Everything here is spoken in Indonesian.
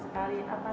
kakak itu bukan